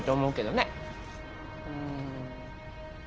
うん。